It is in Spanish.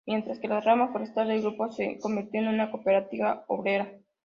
Mientras que la rama forestal del grupo, se convirtió en una cooperativa obrera.